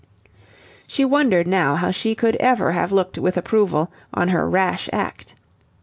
She wondered now how she could ever have looked with approval on her rash act.